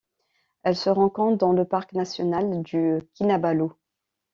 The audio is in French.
Elle se rencontre dans le parc national du Kinabalu.